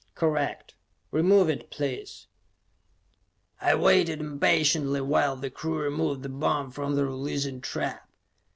"Correct. Remove it, please." I waited impatiently while the crew removed the bomb from the releasing trap.